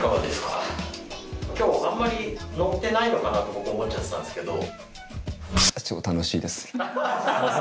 僕は思っちゃってたんすけど。